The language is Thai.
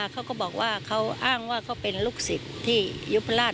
เขาก็บอกว่าเขาอ้างว่าเขาเป็นลูกศิษย์ที่ยุพราช